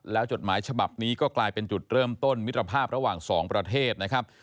แล้วจดหมายฉบับนี้ก็กลายเป็นจุดเริ่มต้นมิตรภาพระหว่างสองประเทศนะครับ